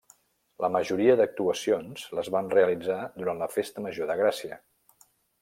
La majoria d'actuacions les van realitzar durant la Festa Major de Gràcia.